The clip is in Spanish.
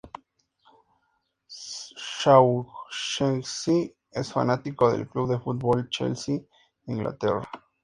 Shaughnessy es fanático del club de fútbol Chelsea de Inglaterra.